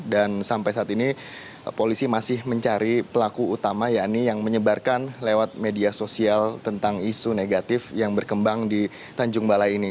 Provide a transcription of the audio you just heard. dan sampai saat ini polisi masih mencari pelaku utama yang menyebarkan lewat media sosial tentang isu negatif yang berkembang di tanjung bala ini